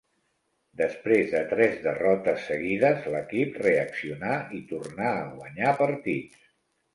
Després de tres derrotes seguides, l'equip reaccionà i tornà a guanyar partits.